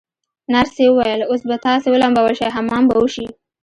نرسې وویل: اوس به تاسي ولمبول شئ، حمام به وشی.